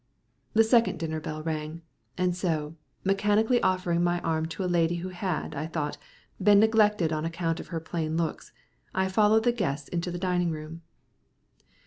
The second dinner bell rang, and so, mechanically offering my arm to a lady who had, I thought, been neglected on account of her plain looks, I followed the guests to the dining room.